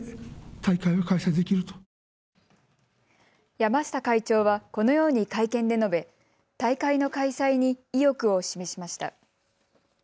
山下会長はこのように会見で述べ大会の開催に意欲を示しました。